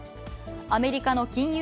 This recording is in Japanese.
アメリカの金融